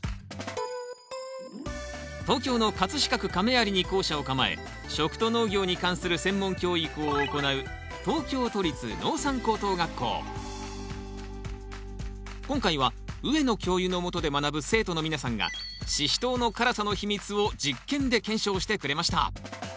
東京の飾区亀有に校舎を構え食と農業に関する専門教育を行う今回は上野教諭のもとで学ぶ生徒の皆さんがシシトウの辛さの秘密を実験で検証してくれました。